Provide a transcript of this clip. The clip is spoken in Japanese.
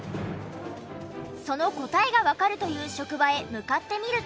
その答えがわかるという職場へ向かってみると。